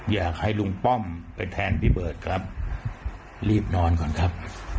อยากให้ลุงป้อมไปแทนพี่เบิร์ตครับรีบนอนก่อนครับ